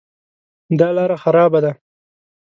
دا لاره خرابه ده